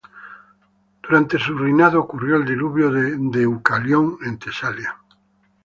Durante su reinado ocurrió el diluvio de Deucalión en Tesalia.